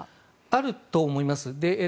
あると思います。